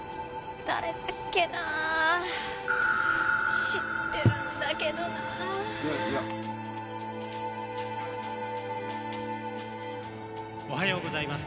誰だっけな知ってるんだけどなおはようございます